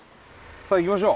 さあ行きましょう。